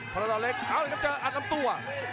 พยาบาลเล็กเจออันดำตัว